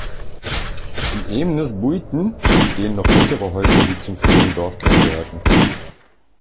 In Eemnes-Buiten stehen noch ältere Häuser, die zum früheren Dorfkern gehörten.